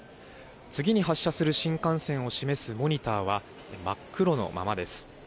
次に発車する新幹線を示すモニターは真っ黒のままです。